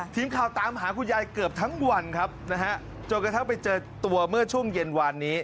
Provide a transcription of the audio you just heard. ทีมข่าวตามหาคุณยายเกือบทั้งวันครับนะฮะจนกระทั่งไปเจอตัวเมื่อช่วงเย็นวานนี้